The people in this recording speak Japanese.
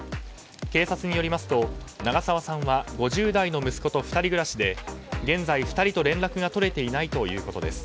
警察によりますと長澤さんは５０代の息子と２人暮らしで、現在２人と連絡が取れていないということです。